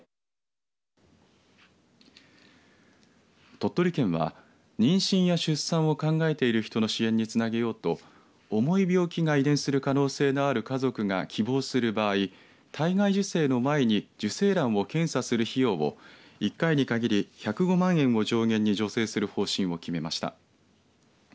鳥取県は妊娠や出産を考えている人の支援につなげようと重い病気が遺伝する可能性のある家族が希望する場合体外受精の前に受精卵を検査する費用を１回に限り１０５万円を上限に助成する方針を決めました。